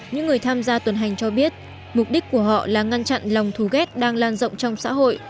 những người tham gia tuần hành cho biết mục đích của họ là ngăn chặn lòng thù ghét đang lan rộng trong xã hội